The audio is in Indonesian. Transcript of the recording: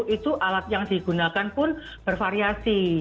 itu alat yang digunakan pun bervariasi